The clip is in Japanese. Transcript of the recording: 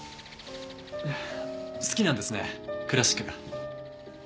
好きなんですねクラシックが。